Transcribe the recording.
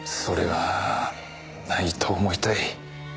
それはないと思いたい。